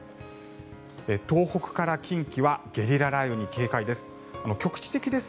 東北から近畿はゲリラ雷雨に警戒です。